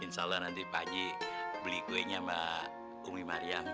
insya allah nanti pak haji beli kuenya mbak umi maryam